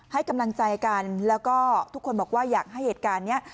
ให้กำลังใจกันแล้วก็ทุกคนบอกว่าอยากให้เหตุการณ์นี้